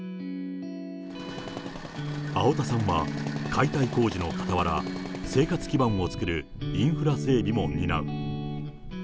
青田さんは、解体工事のかたわら、生活基盤を作るインフラ整備も担う。